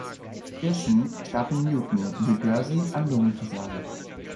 Pierson starb in Newton, New Jersey, an Lungenversagen.